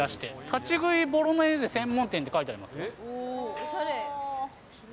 立喰いボロネーゼ専門店って書いてありますよ。